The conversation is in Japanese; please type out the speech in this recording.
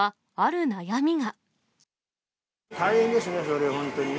大変ですね、それは本当にね。